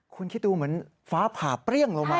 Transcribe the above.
คุณคิดดูเหมือนฟ้าผ่าเปรี้ยงลงมา